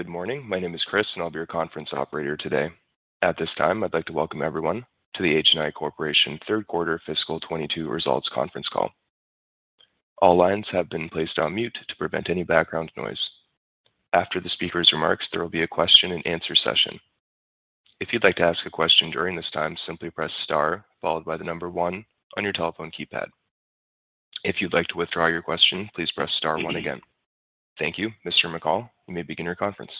Good morning. My name is Chris, and I'll be your conference operator today. At this time, I'd like to welcome everyone to the HNI Corporation third quarter fiscal 2022 results conference call. All lines have been placed on mute to prevent any background noise. After the speaker's remarks, there will be a question and answer session. If you'd like to ask a question during this time, simply press star followed by the number one on your telephone keypad. If you'd like to withdraw your question, please press star one again. Thank you. Mr. McCall, you may begin your conference.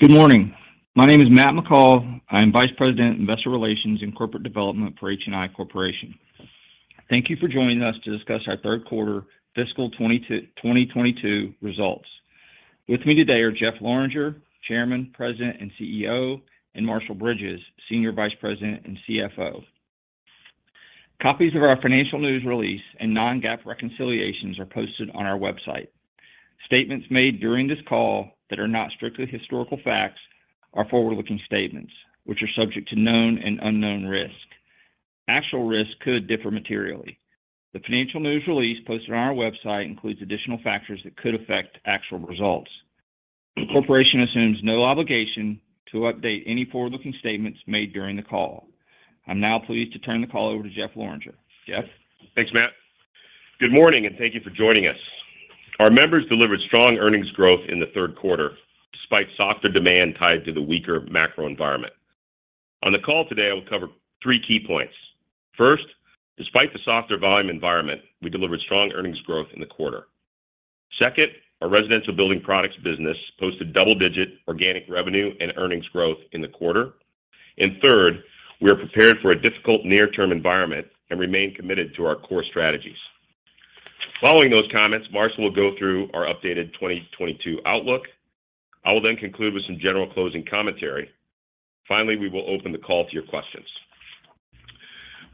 Good morning. My name is Matt McCall. I am Vice President, Investor Relations and Corporate Development for HNI Corporation. Thank you for joining us to discuss our third quarter fiscal 2022 results. With me today are Jeff Lorenger, Chairman, President, and CEO, and Marshall Bridges, Senior Vice President and CFO. Copies of our financial news release and non-GAAP reconciliations are posted on our website. Statements made during this call that are not strictly historical facts are forward-looking statements, which are subject to known and unknown risks. Actual risks could differ materially. The financial news release posted on our website includes additional factors that could affect actual results. The corporation assumes no obligation to update any forward-looking statements made during the call. I'm now pleased to turn the call over to Jeff Lorenger. Jeff? Thanks, Matt. Good morning, and thank you for joining us. Our members delivered strong earnings growth in the third quarter despite softer demand tied to the weaker macro environment. On the call today, I will cover three key points. First, despite the softer volume environment, we delivered strong earnings growth in the quarter. Second, our Residential Building Products business posted double-digit organic revenue and earnings growth in the quarter. Third, we are prepared for a difficult near-term environment and remain committed to our core strategies. Following those comments, Marshall will go through our updated 2022 outlook. I will then conclude with some general closing commentary. Finally, we will open the call to your questions.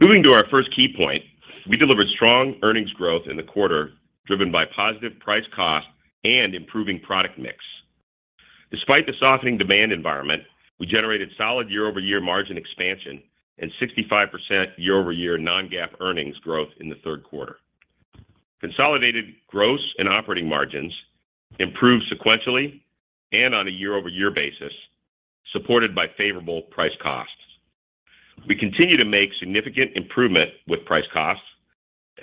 Moving to our first key point, we delivered strong earnings growth in the quarter, driven by positive price cost and improving product mix. Despite the softening demand environment, we generated solid year-over-year margin expansion and 65% year-over-year non-GAAP earnings growth in the third quarter. Consolidated gross and operating margins improved sequentially and on a year-over-year basis, supported by favorable price-cost. We continue to make significant improvement with price-cost,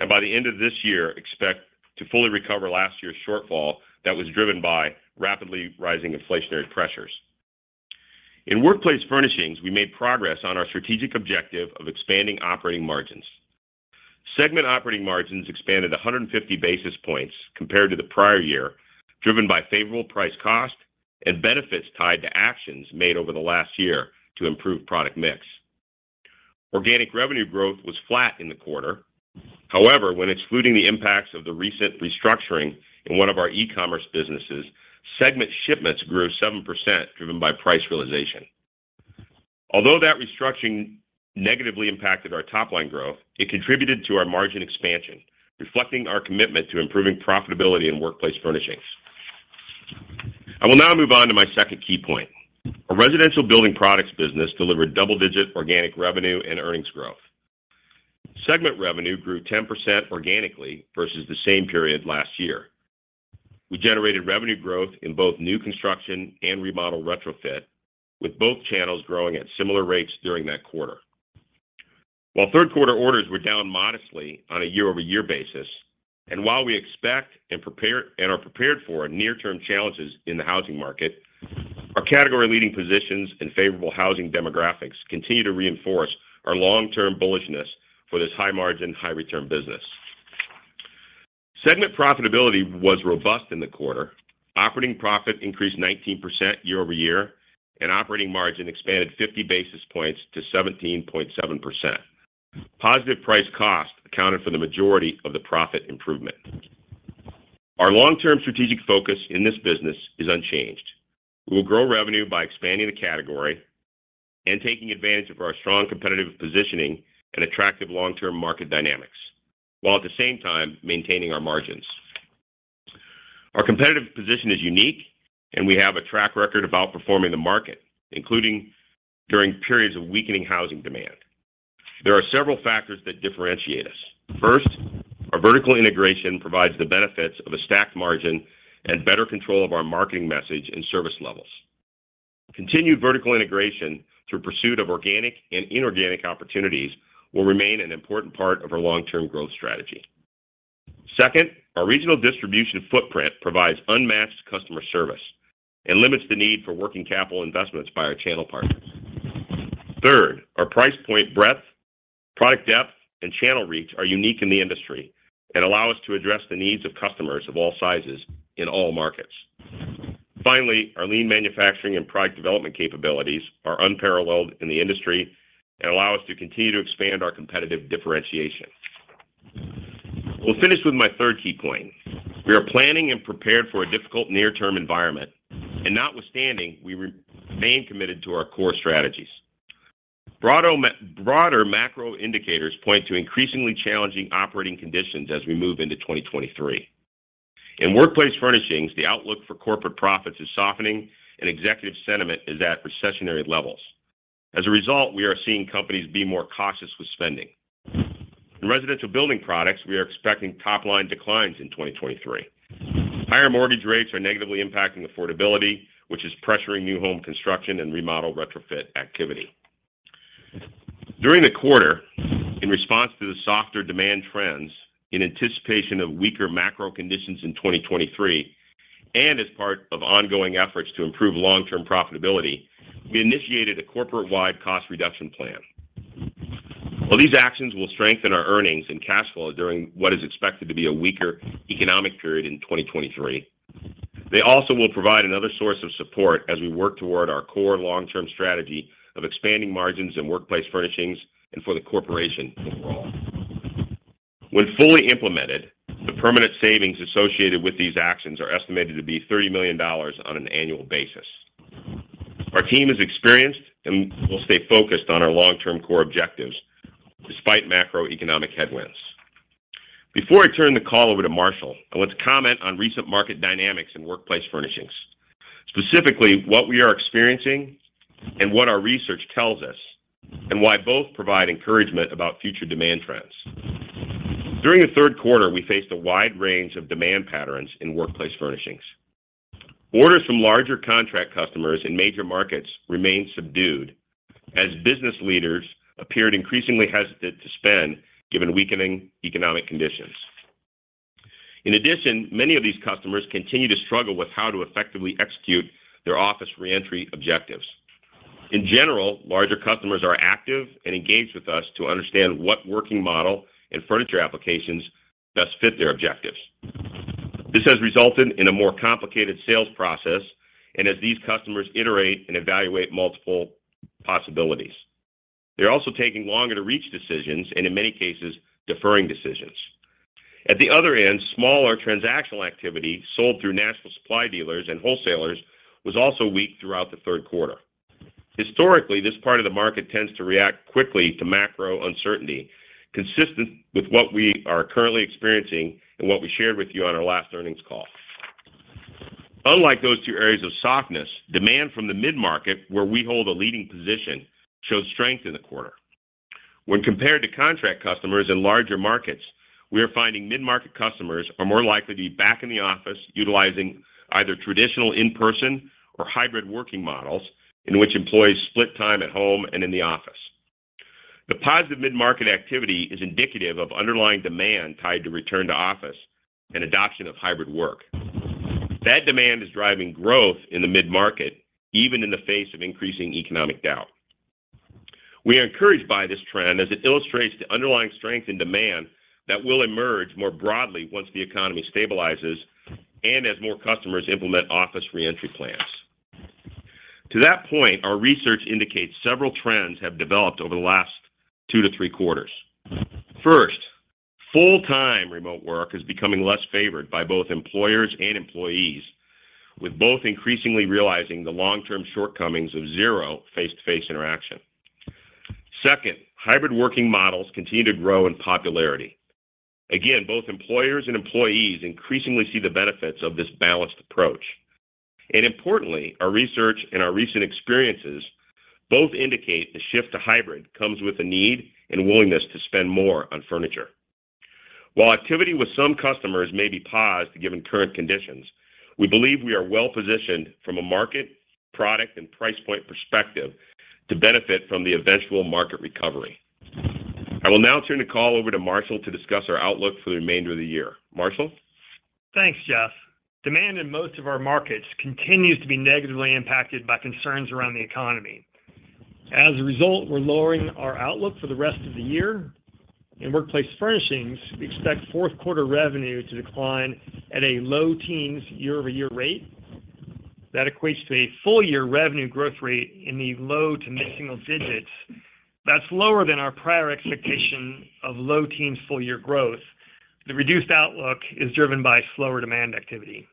and by the end of this year, expect to fully recover last year's shortfall that was driven by rapidly rising inflationary pressures. In Workplace Furnishings, we made progress on our strategic objective of expanding operating margins. Segment operating margins expanded 150 basis points compared to the prior year, driven by favorable price-cost and benefits tied to actions made over the last year to improve product mix. Organic revenue growth was flat in the quarter. However, when excluding the impacts of the recent restructuring in one of our e-commerce businesses, segment shipments grew 7% driven by price realization. Although that restructuring negatively impacted our top line growth, it contributed to our margin expansion, reflecting our commitment to improving profitability in workplace furnishings. I will now move on to my second key point. Our residential building products business delivered double-digit organic revenue and earnings growth. Segment revenue grew 10% organically versus the same period last year. We generated revenue growth in both new construction and remodel retrofit, with both channels growing at similar rates during that quarter. While third quarter orders were down modestly on a year-over-year basis, and while we expect and are prepared for near term challenges in the housing market, our category-leading positions and favorable housing demographics continue to reinforce our long-term bullishness for this high margin, high return business. Segment profitability was robust in the quarter. Operating profit increased 19% year-over-year, and operating margin expanded 50 basis points to 17.7%. Positive price cost accounted for the majority of the profit improvement. Our long-term strategic focus in this business is unchanged. We will grow revenue by expanding the category and taking advantage of our strong competitive positioning and attractive long-term market dynamics, while at the same time maintaining our margins. Our competitive position is unique, and we have a track record of outperforming the market, including during periods of weakening housing demand. There are several factors that differentiate us. First, our vertical integration provides the benefits of a stacked margin and better control of our marketing message and service levels. Continued vertical integration through pursuit of organic and inorganic opportunities will remain an important part of our long-term growth strategy. Second, our regional distribution footprint provides unmatched customer service and limits the need for working capital investments by our channel partners. Third, our price point breadth, product depth, and channel reach are unique in the industry and allow us to address the needs of customers of all sizes in all markets. Finally, our lean manufacturing and product development capabilities are unparalleled in the industry and allow us to continue to expand our competitive differentiation. We'll finish with my third key point. We are planning and prepared for a difficult near-term environment. Notwithstanding, we remain committed to our core strategies. Broader macro indicators point to increasingly challenging operating conditions as we move into 2023. In Workplace Furnishings, the outlook for corporate profits is softening, and executive sentiment is at recessionary levels. As a result, we are seeing companies be more cautious with spending. In Residential Building Products, we are expecting top-line declines in 2023. Higher mortgage rates are negatively impacting affordability, which is pressuring new home construction and remodel retrofit activity. During the quarter, in response to the softer demand trends, in anticipation of weaker macro conditions in 2023, and as part of ongoing efforts to improve long-term profitability, we initiated a corporate-wide cost reduction plan. While these actions will strengthen our earnings and cash flow during what is expected to be a weaker economic period in 2023, they also will provide another source of support as we work toward our core long-term strategy of expanding margins in Workplace Furnishings and for the corporation overall. When fully implemented, the permanent savings associated with these actions are estimated to be $30 million on an annual basis. Our team is experienced and will stay focused on our long-term core objectives despite macroeconomic headwinds. Before I turn the call over to Marshall, I want to comment on recent market dynamics in Workplace Furnishings, specifically what we are experiencing and what our research tells us, and why both provide encouragement about future demand trends. During the third quarter, we faced a wide range of demand patterns in Workplace Furnishings. Orders from larger contract customers in major markets remained subdued as business leaders appeared increasingly hesitant to spend given weakening economic conditions. In addition, many of these customers continue to struggle with how to effectively execute their office reentry objectives. In general, larger customers are active and engaged with us to understand what working model and furniture applications best fit their objectives. This has resulted in a more complicated sales process and as these customers iterate and evaluate multiple possibilities. They're also taking longer to reach decisions and, in many cases, deferring decisions. At the other end, smaller transactional activity sold through national supply dealers and wholesalers was also weak throughout the third quarter. Historically, this part of the market tends to react quickly to macro uncertainty, consistent with what we are currently experiencing and what we shared with you on our last earnings call. Unlike those two areas of softness, demand from the mid-market where we hold a leading position showed strength in the quarter. When compared to contract customers in larger markets, we are finding mid-market customers are more likely to be back in the office utilizing either traditional in-person or hybrid working models in which employees split time at home and in the office. The positive mid-market activity is indicative of underlying demand tied to return to office and adoption of hybrid work. That demand is driving growth in the mid-market, even in the face of increasing economic doubt. We are encouraged by this trend as it illustrates the underlying strength in demand that will emerge more broadly once the economy stabilizes and as more customers implement office reentry plans. To that point, our research indicates several trends have developed over the last 2-3 quarters. First, full-time remote work is becoming less favored by both employers and employees, with both increasingly realizing the long-term shortcomings of zero face-to-face interaction. Second, hybrid working models continue to grow in popularity. Again, both employers and employees increasingly see the benefits of this balanced approach. Importantly, our research and our recent experiences both indicate the shift to hybrid comes with a need and willingness to spend more on furniture. While activity with some customers may be paused given current conditions, we believe we are well positioned from a market, product, and price point perspective to benefit from the eventual market recovery. I will now turn the call over to Marshall to discuss our outlook for the remainder of the year. Marshall? Thanks, Jeff. Demand in most of our markets continues to be negatively impacted by concerns around the economy. As a result, we're lowering our outlook for the rest of the year. In Workplace Furnishings, we expect fourth quarter revenue to decline at a low teens year-over-year rate. That equates to a full year revenue growth rate in the low to mid-single digits. That's lower than our prior expectation of low teens full year growth. The reduced outlook is driven by slower demand activity.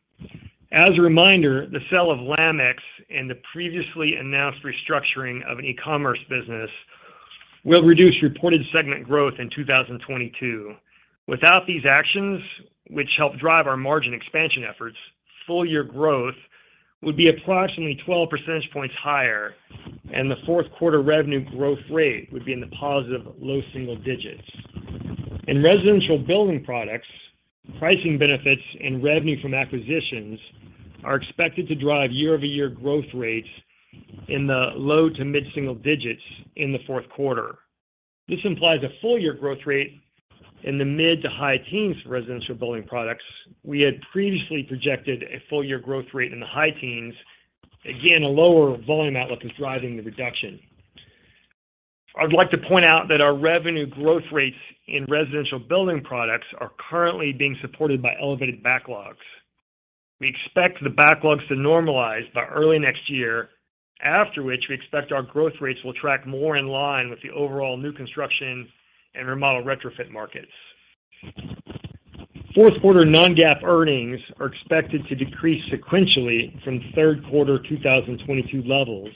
As a reminder, the sale of Lamex and the previously announced restructuring of an e-commerce business will reduce reported segment growth in 2022. Without these actions, which help drive our margin expansion efforts, full year growth would be approximately 12 percentage points higher, and the fourth quarter revenue growth rate would be in the positive low single digits. In Residential Building Products, pricing benefits and revenue from acquisitions are expected to drive year-over-year growth rates in the low to mid-single digits in the fourth quarter. This implies a full year growth rate in the mid to high teens for Residential Building Products. We had previously projected a full year growth rate in the high teens. Again, a lower volume outlook is driving the reduction. I'd like to point out that our revenue growth rates in Residential Building Products are currently being supported by elevated backlogs. We expect the backlogs to normalize by early next year, after which we expect our growth rates will track more in line with the overall new construction and remodel retrofit markets. Fourth quarter non-GAAP earnings are expected to decrease sequentially from third quarter 2022 levels,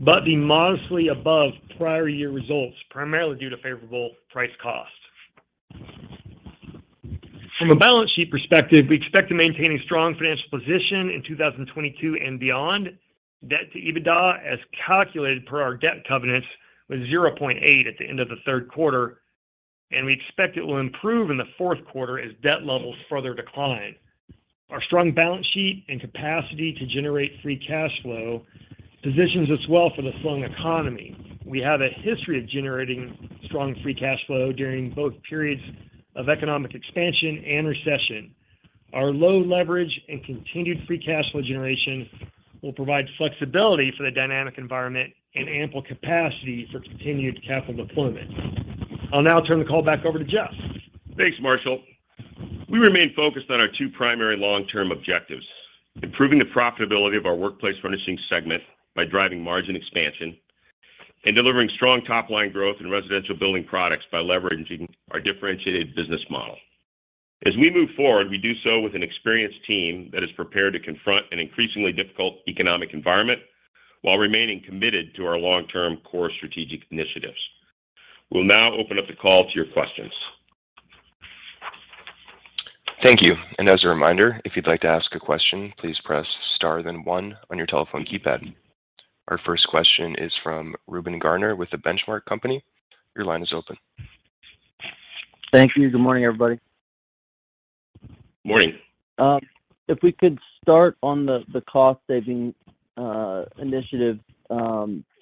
but be modestly above prior year results, primarily due to favorable price cost. From a balance sheet perspective, we expect to maintain a strong financial position in 2022 and beyond. Debt to EBITDA as calculated per our debt covenants was 0.8 at the end of the third quarter, and we expect it will improve in the fourth quarter as debt levels further decline. Our strong balance sheet and capacity to generate free cash flow positions us well for the slowing economy. We have a history of generating strong free cash flow during both periods of economic expansion and recession. Our low leverage and continued free cash flow generation will provide flexibility for the dynamic environment and ample capacity for continued capital deployment. I'll now turn the call back over to Jeff. Thanks, Marshall. We remain focused on our two primary long-term objectives, improving the profitability of our Workplace Furnishings segment by driving margin expansion and delivering strong top-line growth in Residential Building Products by leveraging our differentiated business model. As we move forward, we do so with an experienced team that is prepared to confront an increasingly difficult economic environment while remaining committed to our long-term core strategic initiatives. We'll now open up the call to your questions. Thank you. As a reminder, if you'd like to ask a question, please press star then one on your telephone keypad. Our first question is from Reuben Garner with The Benchmark Company. Your line is open. Thank you. Good morning, everybody. Morning. If we could start on the cost-saving initiative.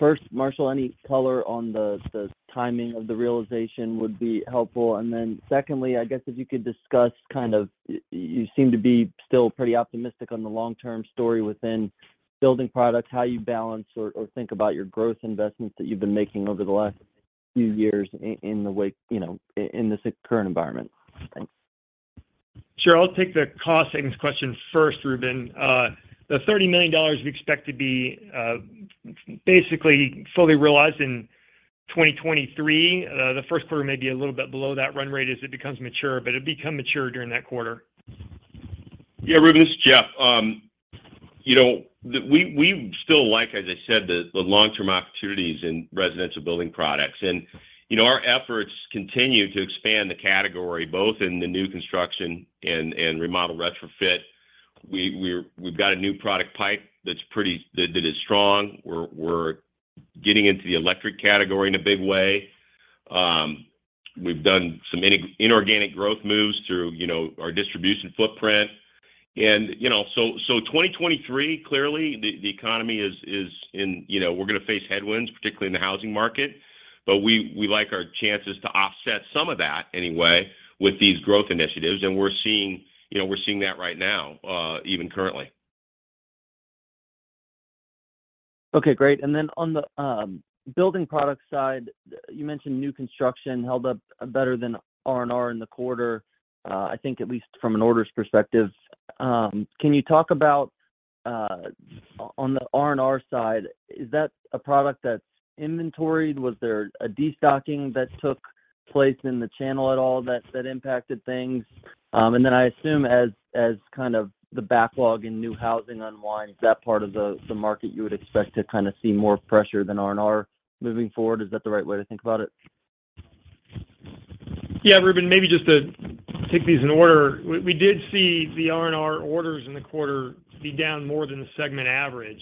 First, Marshall, any color on the timing of the realization would be helpful. Then secondly, I guess if you could discuss kind of, you seem to be still pretty optimistic on the long-term story within building products, how you balance or think about your growth investments that you've been making over the last few years in the way, you know, in this current environment. Thanks. Sure. I'll take the cost savings question first, Reuben. The $30 million we expect to be basically fully realized in 2023. The first quarter may be a little bit below that run rate as it becomes mature, but it become mature during that quarter. Yeah. Reuben, this is Jeff. You know, we still like, as I said, the long-term opportunities in Residential Building Products. You know, our efforts continue to expand the category both in the new construction and remodel retrofit. We've got a new product pipeline that is strong. We're getting into the electric category in a big way. We've done some inorganic growth moves through, you know, our distribution footprint. You know, so 2023, clearly the economy is in. You know, we're gonna face headwinds, particularly in the housing market, but we like our chances to offset some of that anyway with these growth initiatives. We're seeing, you know, that right now, even currently. Okay. Great. Then on the building product side, you mentioned new construction held up better than R&R in the quarter. I think at least from an orders perspective. Can you talk about, on the R&R side, is that a product that's inventoried? Was there a destocking that took place in the channel at all that impacted things? Then I assume as kind of the backlog in new housing unwinds, is that part of the market you would expect to kind of see more pressure than R&R moving forward? Is that the right way to think about it? Yeah. Reuben, maybe just to take these in order. We did see the R&R orders in the quarter be down more than the segment average,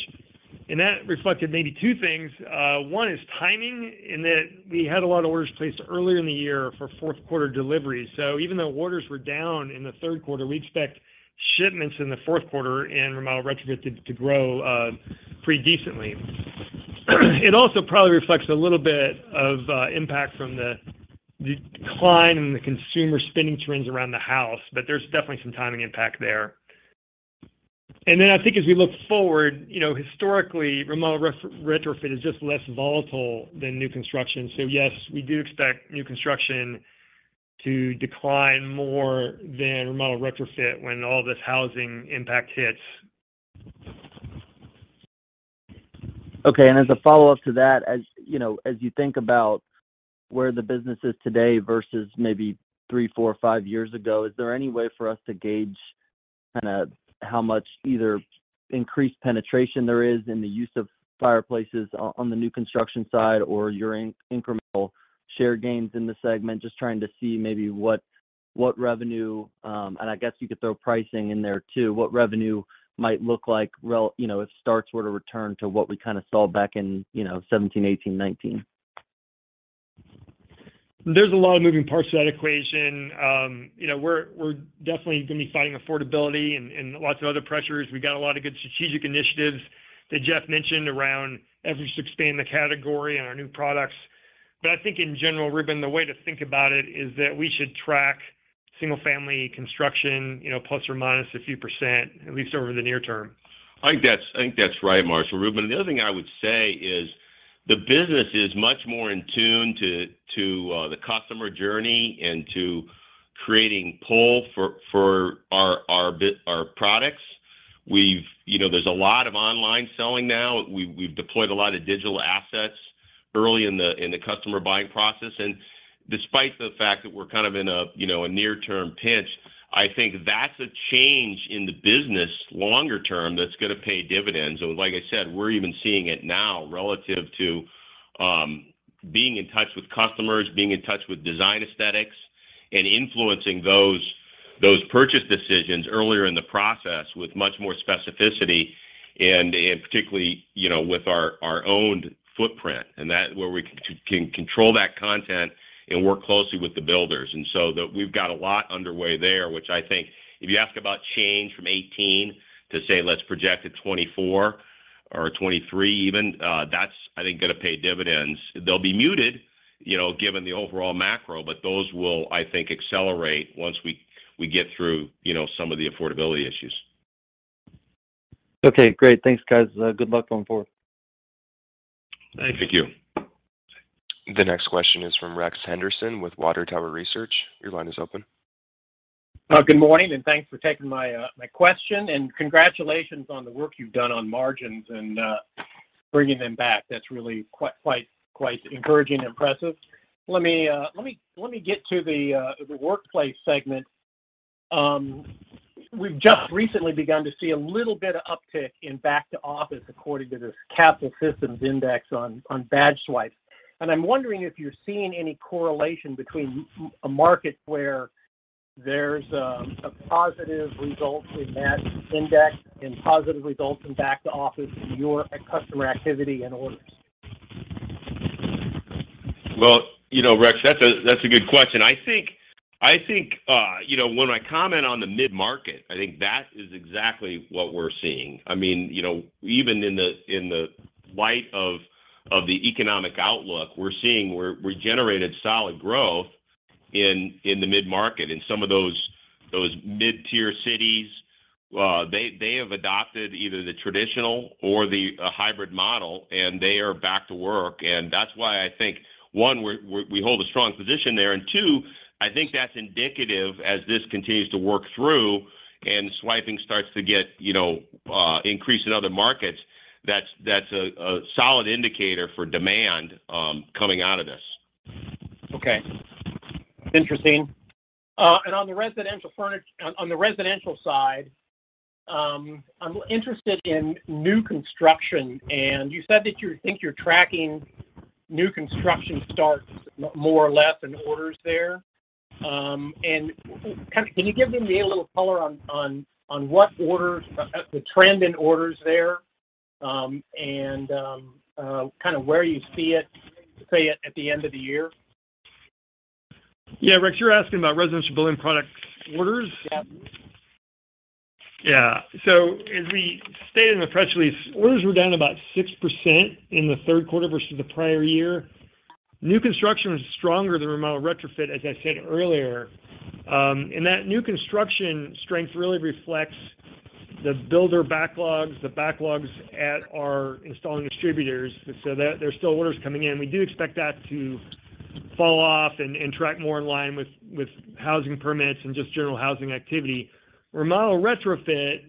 and that reflected maybe two things. One is timing in that we had a lot of orders placed earlier in the year for fourth quarter delivery. Even though orders were down in the third quarter, we expect shipments in the fourth quarter and remodel retrofit to grow pretty decently. It also probably reflects a little bit of impact from the decline in the consumer spending trends around the house, but there's definitely some timing impact there. I think as we look forward, you know, historically, remodel retrofit is just less volatile than new construction. Yes, we do expect new construction to decline more than remodel retrofit when all this housing impact hits. As a follow-up to that, as you know, as you think about where the business is today versus maybe three, four or five years ago, is there any way for us to gauge kinda how much either increased penetration there is in the use of fireplaces on the new construction side or your incremental share gains in the segment? Just trying to see maybe what revenue, and I guess you could throw pricing in there too. What revenue might look like, you know, if starts were to return to what we kinda saw back in, you know, 2017, 2018, 2019. There's a lot of moving parts to that equation. You know, we're definitely gonna be fighting affordability and lots of other pressures. We got a lot of good strategic initiatives that Jeff mentioned around efforts to expand the category and our new products. I think in general, Reuben, the way to think about it is that we should track single family construction, you know, plus or minus a few %, at least over the near term. I think that's right, Marshall. Reuben, the other thing I would say is the business is much more in tune with the customer journey and to creating pull for our products. You know, there's a lot of online selling now. We've deployed a lot of digital assets early in the customer buying process. Despite the fact that we're kind of in a near-term pinch, I think that's a change in the business longer-term that's gonna pay dividends. Like I said, we're even seeing it now relative to being in touch with customers, being in touch with design aesthetics, and influencing those purchase decisions earlier in the process with much more specificity and particularly, you know, with our own footprint and that where we can control that content and work closely with the builders. We've got a lot underway there, which I think if you ask about change from 2018 to, say, let's project to 2024 or 2023 even, that's, I think, gonna pay dividends. They'll be muted, you know, given the overall macro, but those will, I think, accelerate once we get through, you know, some of the affordability issues. Okay, great. Thanks, guys. Good luck going forward. Thank you. Thank you. The next question is from Rex Henderson with Water Tower Research. Your line is open. Good morning, and thanks for taking my question. Congratulations on the work you've done on margins and bringing them back. That's really quite encouraging, impressive. Let me get to the workplace segment. We've just recently begun to see a little bit of uptick in back to office according to this Kastle Systems index on badge swipes. I'm wondering if you're seeing any correlation between a market where there's a positive result in that index and positive results in back to office in your customer activity and orders. Well, you know, Rex, that's a good question. I think, you know, when I comment on the mid-market, I think that is exactly what we're seeing. I mean, you know, even in the light of the economic outlook, we're seeing we generated solid growth in the mid-market. In some of those mid-tier cities, they have adopted either the traditional or the hybrid model, and they are back to work. That's why I think, one, we hold a strong position there. Two, I think that's indicative as this continues to work through and spending starts to get, you know, increase in other markets, that's a solid indicator for demand coming out of this. Okay. Interesting. On the residential side, I'm interested in new construction, and you said that you think you're tracking new construction starts more or less in orders there. Can you give me a little color on what orders, the trend in orders there, and kinda where you see it, say, at the end of the year? Yeah, Rex, you're asking about Residential Building Products orders? Yep. Yeah. As we stated in the press release, orders were down about 6% in the third quarter versus the prior year. New construction was stronger than remodel and retrofit, as I said earlier. That new construction strength really reflects the builder backlogs, the backlogs at our installing distributors. There, there's still orders coming in. We do expect that to fall off and track more in line with housing permits and just general housing activity. Remodel retrofit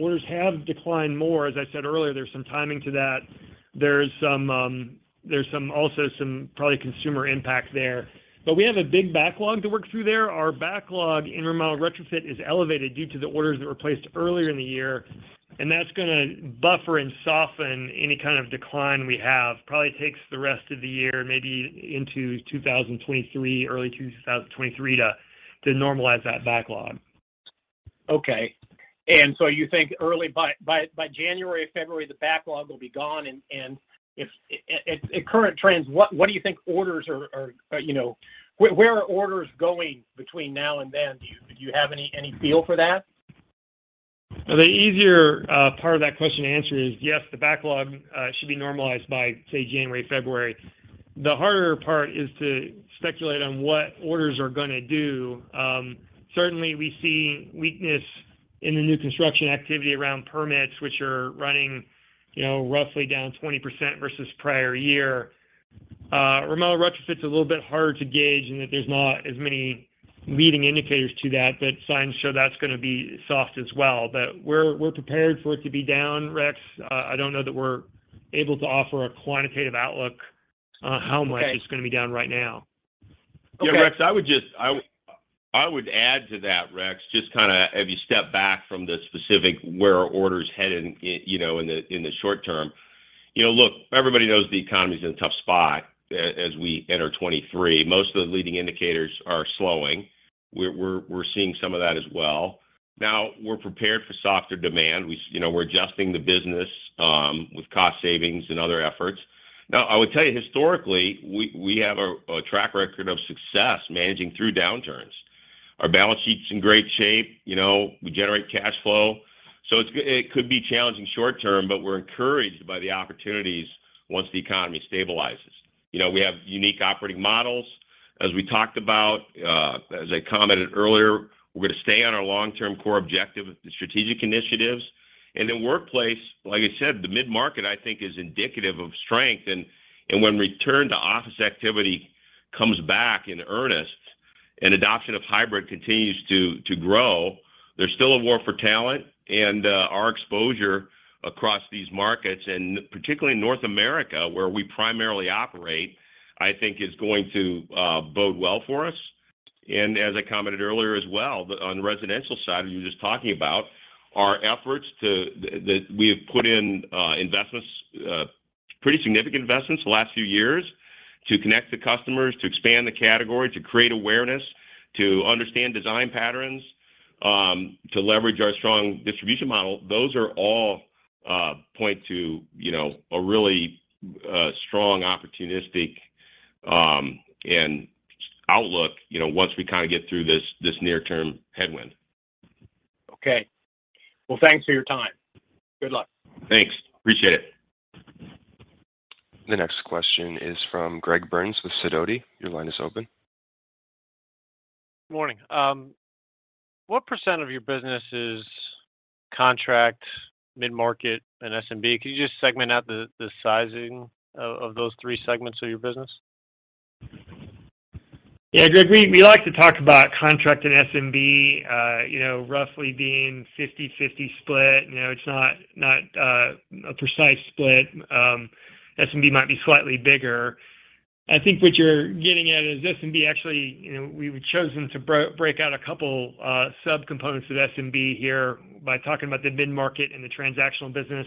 orders have declined more. As I said earlier, there's some timing to that. There's some also some probably consumer impact there. But we have a big backlog to work through there. Our backlog in remodel retrofit is elevated due to the orders that were placed earlier in the year, and that's gonna buffer and soften any kind of decline we have. Probably takes the rest of the year, maybe into 2023, early 2023 to normalize that backlog. Okay. You think early by January, February, the backlog will be gone. If at current trends, what do you think orders are, you know, where are orders going between now and then? Do you have any feel for that? The easier part of that question to answer is yes, the backlog should be normalized by, say, January, February. The harder part is to speculate on what orders are gonna do. Certainly, we see weakness in the new construction activity around permits, which are running, you know, roughly down 20% versus prior year. Remodel and retrofit's a little bit harder to gauge and that there's not as many leading indicators to that, but signs show that's gonna be soft as well. We're prepared for it to be down, Rex. I don't know that we're able to offer a quantitative outlook on how much- Okay. It's gonna be down right now. Rex, I would add to that, just kind of if you step back from the specific where are orders headed in the short term. You know, look, everybody knows the economy's in a tough spot as we enter 2023. Most of the leading indicators are slowing. We're seeing some of that as well. Now, we're prepared for softer demand. You know, we're adjusting the business with cost savings and other efforts. Now, I would tell you, historically, we have a track record of success managing through downturns. Our balance sheet's in great shape. You know, we generate cash flow. It could be challenging short term, but we're encouraged by the opportunities once the economy stabilizes. You know, we have unique operating models. As we talked about, as I commented earlier, we're gonna stay on our long-term core objective strategic initiatives. Workplace, like I said, the mid-market, I think is indicative of strength. When return to office activity comes back in earnest and adoption of hybrid continues to grow, there's still a war for talent. Our exposure across these markets, and particularly in North America, where we primarily operate, I think is going to bode well for us. As I commented earlier as well, on the residential side you were just talking about, our efforts, that we have put in pretty significant investments the last few years to connect the customers, to expand the category, to create awareness, to understand design patterns, to leverage our strong distribution model. Those are all point to, you know, a really strong optimistic outlook, you know, once we kind of get through this near-term headwind. Okay. Well, thanks for your time. Good luck. Thanks. Appreciate it. The next question is from Greg Burns with Sidoti. Your line is open. Morning. What % of your business is contract mid-market and SMB? Can you just segment out the sizing of those three segments of your business? Yeah, Greg, we like to talk about contract and SMB, you know, roughly being 50/50 split. You know, it's not a precise split. SMB might be slightly bigger. I think what you're getting at is SMB actually, you know, we've chosen to break out a couple subcomponents of SMB here by talking about the mid-market and the transactional business.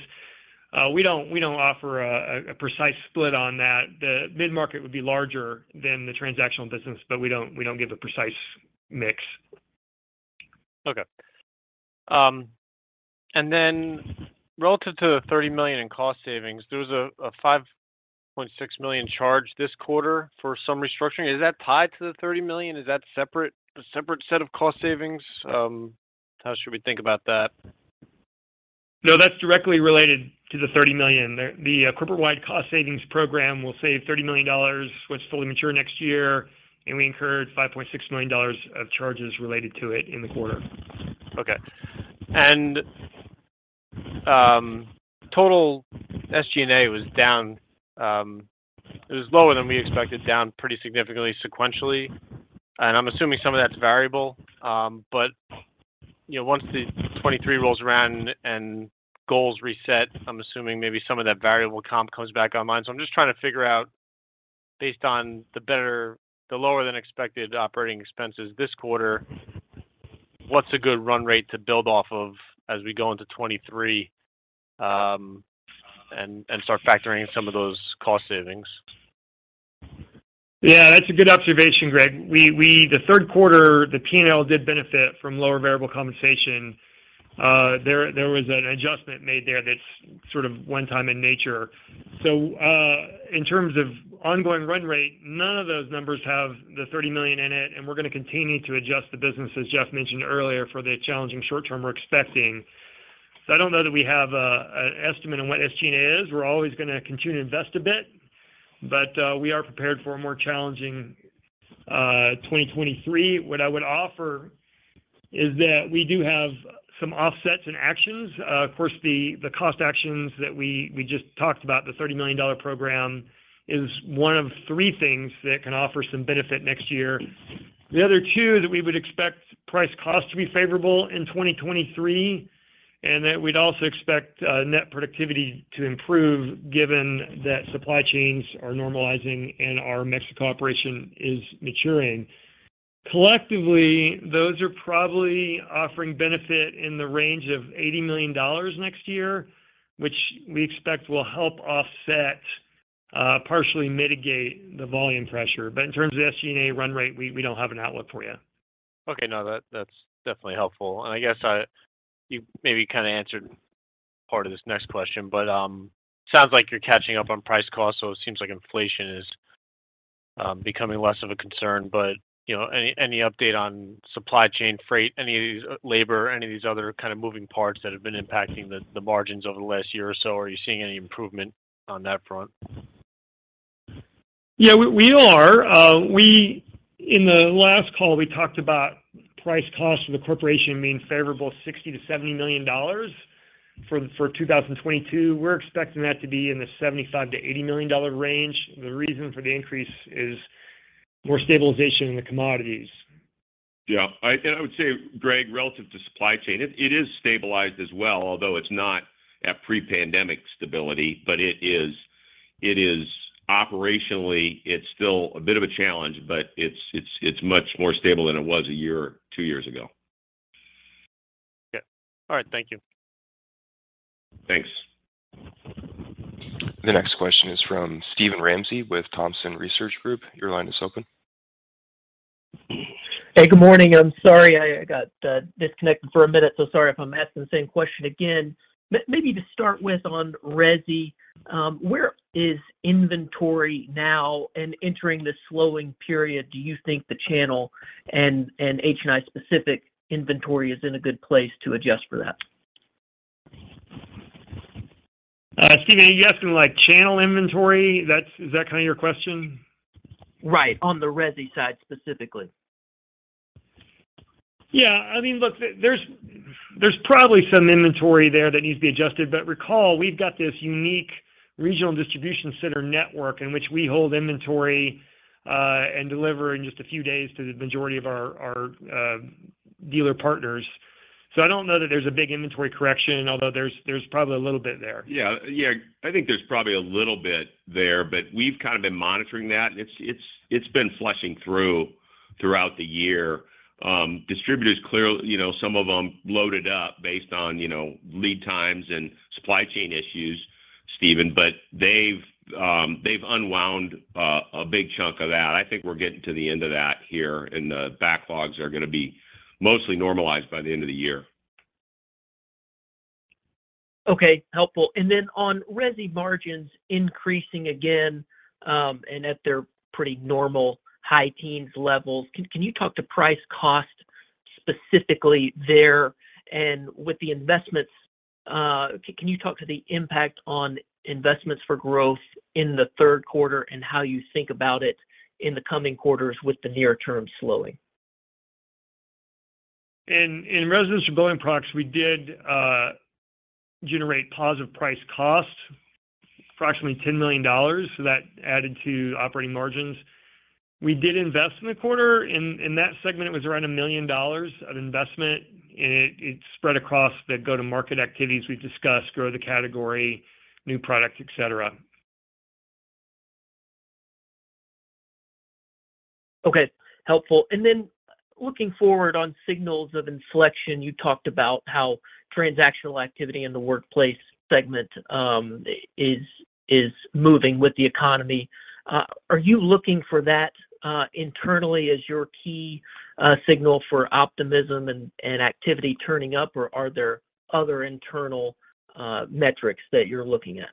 We don't offer a precise split on that. The mid-market would be larger than the transactional business, but we don't give a precise mix. Relative to the $30 million in cost savings, there was a $5.6 million charge this quarter for some restructuring. Is that tied to the $30 million? Is that a separate set of cost savings? How should we think about that? No, that's directly related to the $30 million. The corporate-wide cost savings program will save $30 million, which will fully mature next year, and we incurred $5.6 million of charges related to it in the quarter. Okay. Total SG&A was down. It was lower than we expected, down pretty significantly sequentially. I'm assuming some of that's variable. You know, once 2023 rolls around and goals reset, I'm assuming maybe some of that variable comp comes back online. I'm just trying to figure out based on the lower than expected operating expenses this quarter, what's a good run rate to build off of as we go into 2023, and start factoring some of those cost savings? Yeah, that's a good observation, Greg. The third quarter, the P&L did benefit from lower variable compensation. There was an adjustment made there that's sort of one-time in nature. In terms of ongoing run rate, none of those numbers have the $30 million in it, and we're gonna continue to adjust the business, as Jeff mentioned earlier, for the challenging short-term we're expecting. I don't know that we have an estimate on what SG&A is. We're always gonna continue to invest a bit. We are prepared for a more challenging 2023. What I would offer is that we do have some offsets and actions. Of course, the cost actions that we just talked about, the $30 million program, is one of three things that can offer some benefit next year. The other two that we would expect price cost to be favorable in 2023, and that we'd also expect net productivity to improve given that supply chains are normalizing and our Mexico operation is maturing. Collectively, those are probably offering benefit in the range of $80 million next year, which we expect will help offset partially mitigate the volume pressure. In terms of the SG&A run rate, we don't have an outlook for you. Okay. No, that's definitely helpful. I guess you maybe kind of answered part of this next question, but sounds like you're catching up on price cost, so it seems like inflation is becoming less of a concern. You know, any update on supply chain freight, any of these labor, any of these other kind of moving parts that have been impacting the margins over the last year or so? Are you seeing any improvement on that front? Yeah, we are. In the last call, we talked about price cost for the corporation being favorable $60 million-$70 million for 2022. We're expecting that to be in the $75 million-$80 million range. The reason for the increase is more stabilization in the commodities. Yeah. I would say, Greg, relative to supply chain, it is stabilized as well, although it's not at pre-pandemic stability. It is operationally, it's still a bit of a challenge, but it's much more stable than it was a year or two years ago. Yeah. All right, thank you. Thanks. The next question is from Steven Ramsey with Thompson Research Group. Your line is open. Hey, good morning. I'm sorry I got disconnected for a minute, so sorry if I'm asking the same question again. Maybe to start with on resi, where is inventory now? Entering this slowing period, do you think the channel and HNI specific inventory is in a good place to adjust for that? Steven, are you asking like channel inventory? Is that kinda your question? Right. On the resi side specifically. Yeah. I mean, look, there's probably some inventory there that needs to be adjusted. Recall, we've got this unique regional distribution center network in which we hold inventory, and deliver in just a few days to the majority of our Dealer partners. I don't know that there's a big inventory correction, although there's probably a little bit there. Yeah. Yeah, I think there's probably a little bit there, but we've kind of been monitoring that, and it's been flushing through throughout the year. Distributors clearly, you know, some of them loaded up based on, you know, lead times and supply chain issues, Steven, but they've unwound a big chunk of that. I think we're getting to the end of that here, and the backlogs are gonna be mostly normalized by the end of the year. Okay. Helpful. On resi margins increasing again, and at their pretty normal high-teens levels. Can you talk to price cost specifically there? With the investments, can you talk to the impact on investments for growth in the third quarter and how you think about it in the coming quarters with the near-term slowing? In Residential Building Products, we did generate positive price cost, approximately $10 million, so that added to operating margins. We did invest in the quarter. In that segment, it was around $1 million of investment, and it spread across the go-to-market activities we've discussed, grow the category, new products, et cetera. Okay. Helpful. Looking forward on signals of inflection, you talked about how transactional activity in the workplace segment is moving with the economy. Are you looking for that internally as your key signal for optimism and activity turning up, or are there other internal metrics that you're looking at?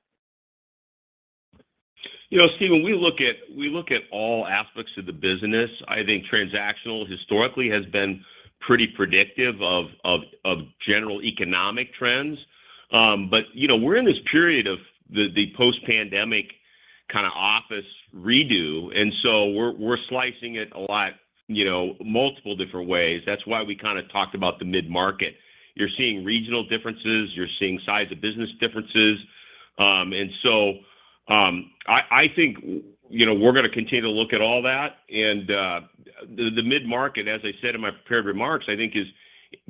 You know, Steven, we look at all aspects of the business. I think transactional historically has been pretty predictive of general economic trends. You know, we're in this period of the post-pandemic kinda office redo, and so we're slicing it a lot, you know, multiple different ways. That's why we kinda talked about the mid-market. You're seeing regional differences, you're seeing size of business differences. I think, you know, we're gonna continue to look at all that. The mid-market, as I said in my prepared remarks, I think is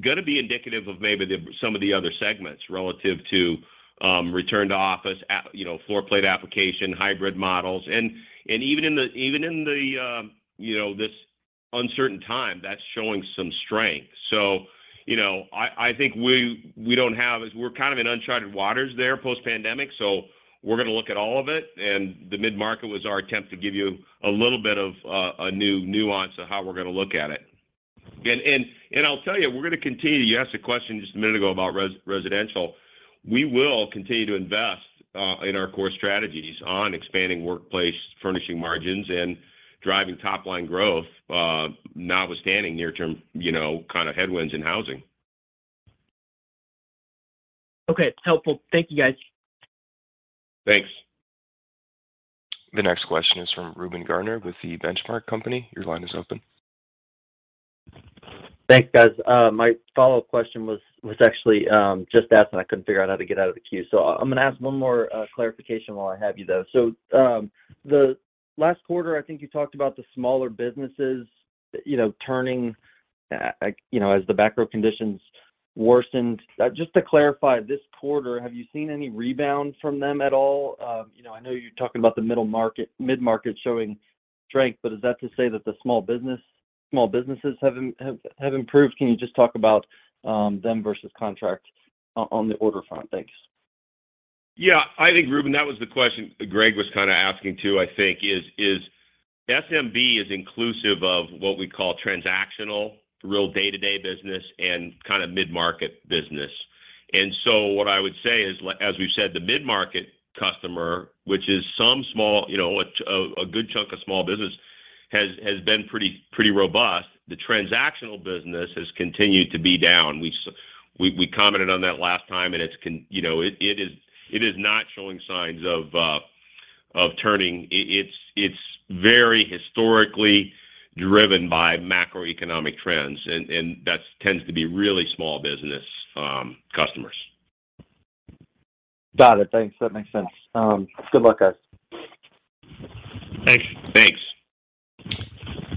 gonna be indicative of maybe some of the other segments relative to return to office at, you know, floor plate application, hybrid models. Even in the, you know, this uncertain time, that's showing some strength. You know, we're kind of in uncharted waters there post-pandemic, so we're gonna look at all of it. The mid-market was our attempt to give you a little bit of a new nuance of how we're gonna look at it. I'll tell you, we're gonna continue. You asked a question just a minute ago about residential. We will continue to invest in our core strategies on expanding Workplace Furnishings margins and driving top-line growth, notwithstanding near-term, you know, kinda headwinds in housing. Okay. Helpful. Thank you, guys. Thanks. The next question is from Reuben Garner with The Benchmark Company. Your line is open. Thanks, guys. My follow-up question was actually just asking. I couldn't figure out how to get out of the queue. I'm gonna ask one more clarification while I have you, though. The last quarter, I think you talked about the smaller businesses, you know, turning, you know, as the macro conditions worsened. Just to clarify, this quarter, have you seen any rebound from them at all? You know, I know you're talking about the mid-market showing strength, but is that to say that the small businesses have improved? Can you just talk about them versus contract on the order front? Thanks. Yeah. I think, Reuben, that was the question Greg was kinda asking too, I think, is SMB inclusive of what we call transactional, real day-to-day business and kinda mid-market business. What I would say is, like, as we've said, the mid-market customer, which is some small, you know, a good chunk of small business has been pretty robust. The transactional business has continued to be down. We commented on that last time, and it's, you know, it is not showing signs of turning. It's very historically driven by macroeconomic trends and that tends to be really small business customers. Got it. Thanks. That makes sense. Good luck, guys. Thanks. Thanks.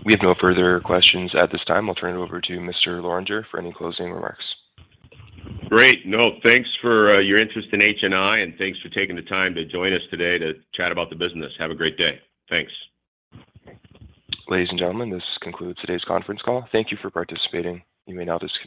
We have no further questions at this time. I'll turn it over to Mr. Lorenger for any closing remarks. Great. No, thanks for your interest in HNI, and thanks for taking the time to join us today to chat about the business. Have a great day. Thanks. Ladies and gentlemen, this concludes today's conference call. Thank you for participating. You may now disconnect.